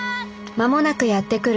間もなくやって来る